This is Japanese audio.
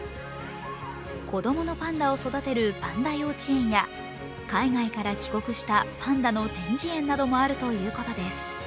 子供のパンダを育てるパンダ幼稚園や海外から帰国したパンダの展示園などもあるということです。